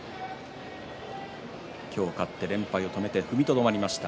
今日、勝って連敗を止めて踏みとどまりました。